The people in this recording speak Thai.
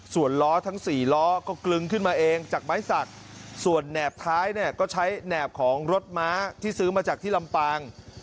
ส่วนล้อทั้งสี่ล้อก็กลึงขึ้นมาเองจากไม้สักส่วนแหนบท้ายเนี่ยก็ใช้แหนบของรถม้าที่ซื้อมาจากที่ลำปาง